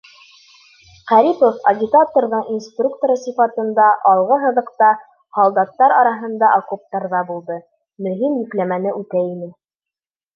Ҡәрипов, агитаторҙың инструкторы сифатында алғы һыҙыҡта, һалдаттар араһында окоптарҙа булды, мөһим йөкләмәне үтәй ине.